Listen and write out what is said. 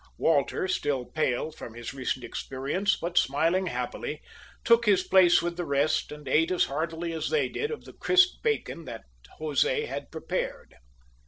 Walter, still pale from his recent experience, but smiling happily, took his place with the rest and ate as heartily as they did of the crisp bacon that Jose had prepared.